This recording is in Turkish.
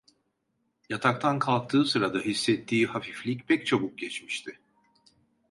Yataktan kalktığı sırada hissettiği hafiflik pek çabuk geçmişti.